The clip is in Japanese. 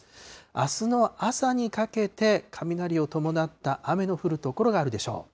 あすの朝にかけて雷を伴った雨の降る所があるでしょう。